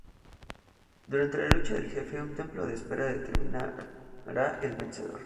Durante la lucha del jefe, un tiempo de espera determinará el vencedor.